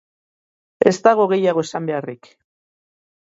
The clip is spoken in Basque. Ez dago gehiago esan beharrik.